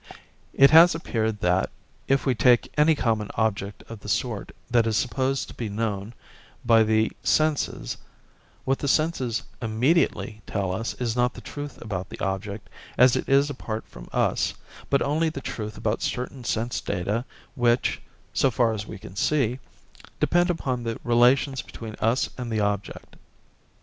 It has appeared that, if we take any common object of the sort that is supposed to be known by the senses, what the senses immediately tell us is not the truth about the object as it is apart from us, but only the truth about certain sense data which, so far as we can see, depend upon the relations between us and the object.